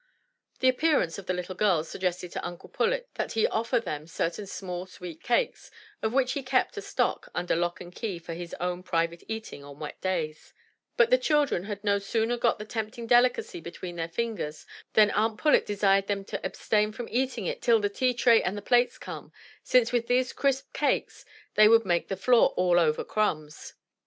*' The appearance of the little girls suggested to Uncle Pullet that he offer them certain small sweet cakes, of which he kept a 231 MY BOOK HOUSE Stock under lock and key for his own private eating on wet days; but the children had no sooner got the tempting delicacy between their fingers, then Aunt Pullet desired them to abstain from eating it till the tea tray and the plates came, since with these crisp cakes they would make the floor "all over" crumbs.